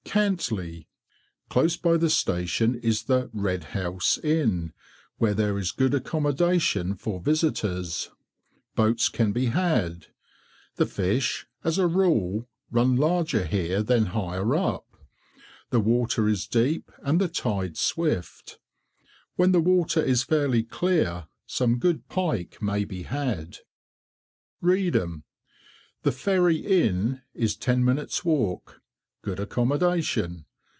CANTLEY. Close by the station is the "Red House" Inn, where there is good accommodation for visitors. Boats can be had. The fish, as a rule, run larger here than higher up. The water is deep and the tide swift. When the water is fairly clear, some good pike may be had. REEDHAM. The "Ferry" Inn is ten minutes' walk. Good accommodation.